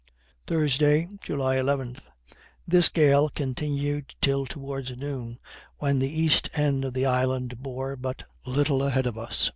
Thursday, July 11. This gale continued till towards noon; when the east end of the island bore but little ahead of us.